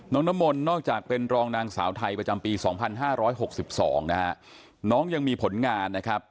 น้องน้ำมนนอกจากเป็นรองนางสาวไทยประจำปี๒๕๖๒น้องยังมีผลงาน